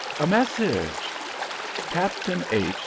A message! "Captain H.